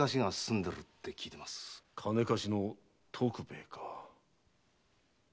金貸しの徳兵衛か。